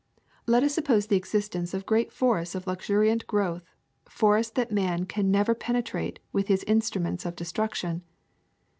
*^Let us suppose the existence of great forests of luxuriant growth, forests that man can never pene trate with his instruments of destruction.